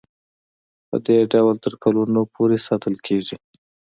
پدې ډول تر کلونو پورې ساتل کیږي.